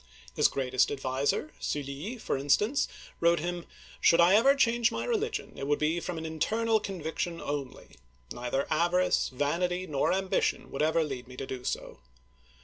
His greatest adviser. Sully (su lee'), for instance, wrote him: "Should I ever change my religion, it would be from an internal conviction only; neither avarice, vanity, nor ambition would ever lead me to do so.